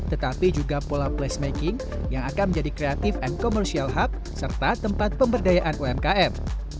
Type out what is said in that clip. tetapi juga pola place making yang akan menjadi kreatif and commercial hub serta tempat pemberdayaan umkm